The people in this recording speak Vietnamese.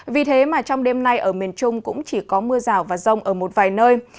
vì thế mà trong đêm nay ở miền trung cũng chỉ có mưa rào và rông ở một vài nơi